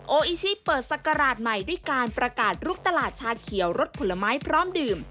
โออิชิเปิดศักราชใหม่ด้วยการประกาศลุกตลาดชาเขียวรสผลไม้พร้อมดื่ม